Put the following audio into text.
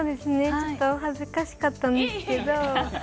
ちょっと恥ずかしかったんですけど。